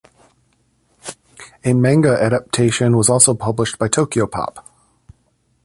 A manga adaptation was also published by Tokyopop.